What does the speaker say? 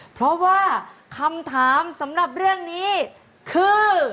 เพราะว่าคำถามสำหรับเรื่องนี้คือ